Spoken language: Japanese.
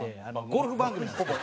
ゴルフ番組なんですけど。